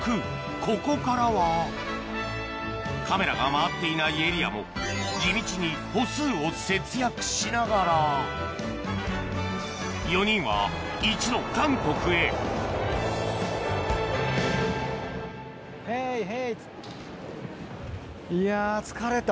ここからはカメラが回っていないエリアも地道に歩数を節約しながら４人は一路いや疲れた。